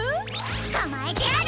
つかまえてやる！